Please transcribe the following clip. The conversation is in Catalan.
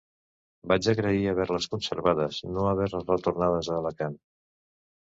Vaig agrair haver-les conservades, no haver-les retornades a Alacant.